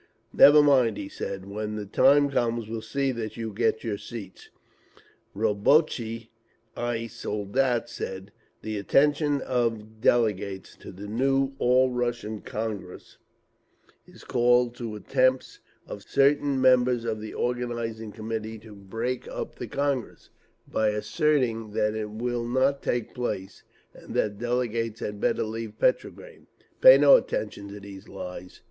"Never mind," he said, "When the time comes we'll see that you get your seats…." See Notes and Explanations. Rabotchi i Soldat said: The attention of delegates to the new All Russian Congress is called to attempts of certain members of the Organising Committee to break up the Congress, by asserting that it will not take place, and that delegates had better leave Petrograd…. Pay no attention to these lies….